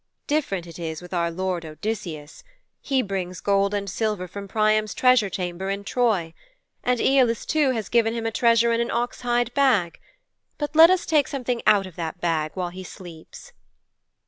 Different it is with our lord, Odysseus. He brings gold and silver from Priam's treasure chamber in Troy. And Æolus too has given him a treasure in an ox hide bag. But let us take something out of that bag while he sleeps."'